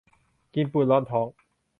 กินปูนร้อนท้อง